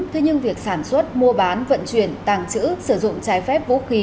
thế nhưng việc sản xuất mua bán vận chuyển tàng trữ sử dụng trái phép vũ khí